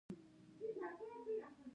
د خوړو بانکونه هلته شته.